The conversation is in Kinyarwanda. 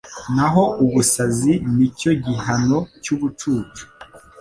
naho ubusazi ni cyo gihano cy’ubucucu